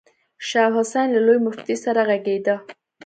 شاه حسين له لوی مفتي سره غږېده.